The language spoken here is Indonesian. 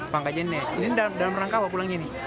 pangkajene ini dalam rangkawa pulangnya ini